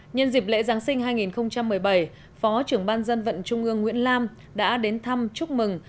nhân dịp lễ giáng sinh hai nghìn một mươi bảy phó trưởng ban dân vận trung ương nguyễn lam đã đến thăm chúc mừng